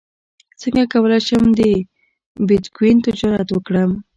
څنګه کولی شم د بیتکوین تجارت وکړم